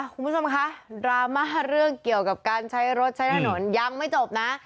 คุณผู้ชมคะดราม่าเรื่องเกี่ยวกับการใช้รถใช้ถนนยังไม่จบนะ